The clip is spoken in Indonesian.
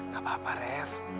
gak apa apa ref